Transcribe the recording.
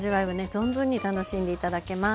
存分に楽しんで頂けます。